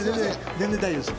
全然大丈夫です。